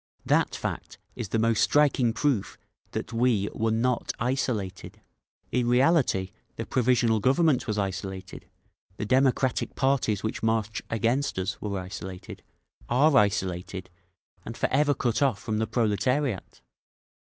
…. That fact is the most striking proof that we were not isolated. In reality the Provisional Government was isolated; the democratic parties which march against us were isolated, are isolated, and forever cut off from the proletariat!